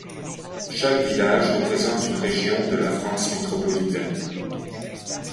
Chaque village représente une région de la France métropolitaine.